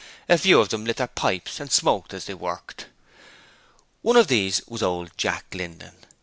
A few of them lit their pipes and smoked as they worked. One of these was old Jack Linden.